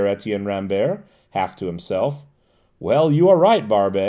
Etienne Rambert, half to himself. "Well, you are quite right, Barbey.